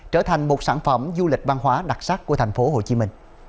trở thành một sản phẩm du lịch văn hóa đặc sắc của tp hcm